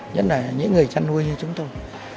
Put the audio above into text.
nhất là những người chăn nuôi như chúng tôi